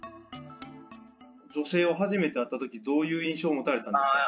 女性と初めて会ったとき、どういう印象を持たれたんですか？